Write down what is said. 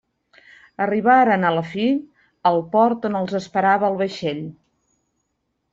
Arribaren, a la fi, al port on els esperava el vaixell.